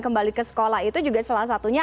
kembali ke sekolah itu juga salah satunya